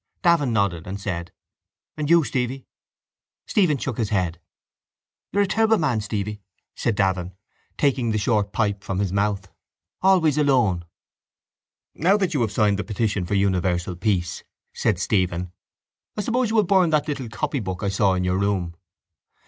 Davin nodded and said: —And you, Stevie? Stephen shook his head. —You're a terrible man, Stevie, said Davin, taking the short pipe from his mouth, always alone. —Now that you have signed the petition for universal peace, said Stephen, I suppose you will burn that little copybook I saw in your room.